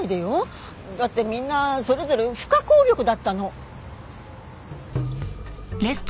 だってみんなそれぞれ不可抗力だったの。